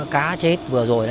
cá chết vừa rồi